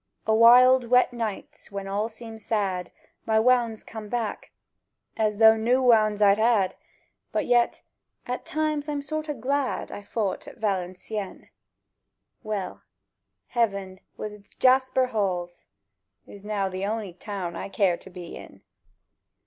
O' wild wet nights, when all seems sad, My wownds come back, as though new wownds I'd had; But yet—at times I'm sort o' glad I fout at Valencieën. Well: Heaven wi' its jasper halls Is now the on'y Town I care to be in